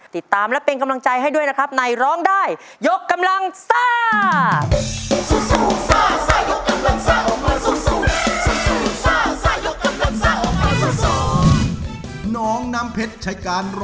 ติดตามและเป็นกำลังใจให้ด้วยนะครับในร้องได้ยกกำลังซ่า